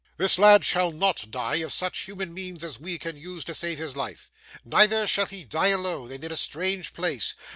This lad shall not die, if such human means as we can use can save his life; neither shall he die alone, and in a strange place.